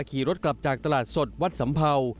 ขี่รถกลับจากตลาดสดวัดสำเภา